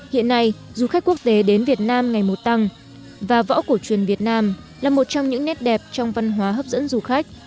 hiện nay du khách quốc tế đến việt nam ngày một tăng và võ cổ truyền việt nam là một trong những nét đẹp trong văn hóa hấp dẫn du khách